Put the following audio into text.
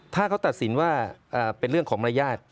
ถ้าเขาตัดสินว่าเป็นเรื่องของมารยาท